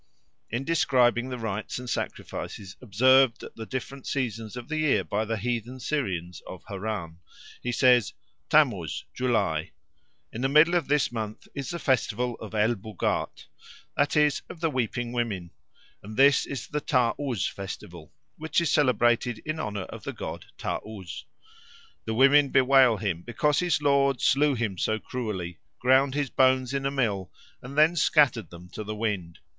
In describing the rites and sacrifices observed at the different seasons of the year by the heathen Syrians of Harran, he says: "Tammuz (July). In the middle of this month is the festival of el Bûgât, that is, of the weeping women, and this is the Tâ uz festival, which is celebrated in honour of the god Tâ uz. The women bewail him, because his lord slew him so cruelly, ground his bones in a mill, and then scattered them to the wind.